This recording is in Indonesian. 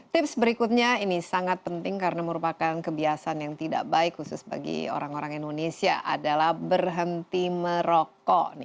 tips berikutnya ini sangat penting karena merupakan kebiasaan yang tidak baik khusus bagi orang orang indonesia adalah berhenti merokok